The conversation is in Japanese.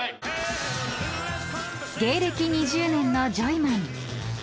［芸歴２０年のジョイマン］